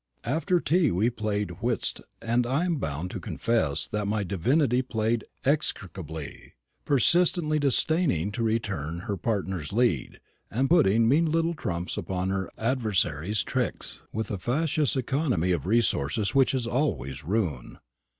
After tea we played whist; and I am bound to confess that my divinity played execrably, persistently disdaining to return her partner's lead, and putting mean little trumps upon her adversary's tricks, with a fatuous economy of resources which is always ruin.